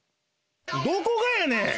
どこがやねん！